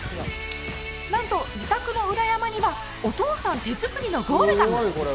なんと、自宅の裏山にはお父さん手作りのゴールが。